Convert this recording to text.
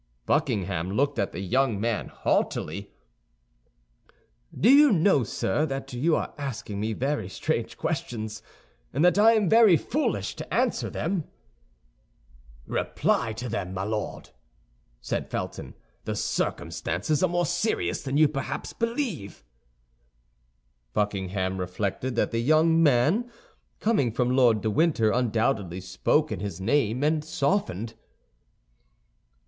Buckingham looked at the young man haughtily. "Do you know, sir, that you are asking me very strange questions, and that I am very foolish to answer them?" "Reply to them, my Lord," said Felton; "the circumstances are more serious than you perhaps believe." Buckingham reflected that the young man, coming from Lord de Winter, undoubtedly spoke in his name, and softened.